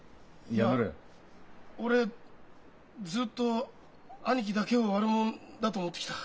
いや俺ずっと兄貴だけを悪者だと思ってきた。